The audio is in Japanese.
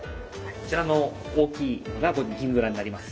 こちらの大きいのがギンブナになります。